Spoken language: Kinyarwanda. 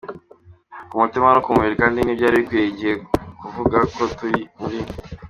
ku mutima no ku mubiri, kandi ntibyari bikwiye igihe tuvuga ko turi muri